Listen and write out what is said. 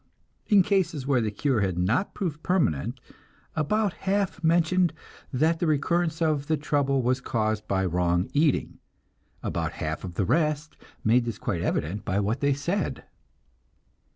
In cases where the cure had not proved permanent, about half mentioned that the recurrence of the trouble was caused by wrong eating, and about half of the rest made this quite evident by what they said.